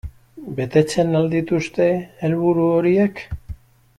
Betetzen al dituzte helburu horiek?